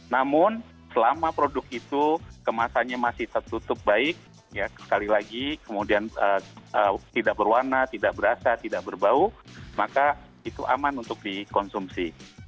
namun selama produk itu kemasannya masih tertutup baik sekali lagi kemudian tidak berwarna tidak berasa tidak berbau maka itu aman untuk dikonsumsi